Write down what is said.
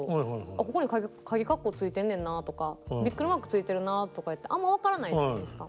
ここにかぎ括弧ついてんねんなとかビックリマークついてるなとかあんま分からないじゃないですか。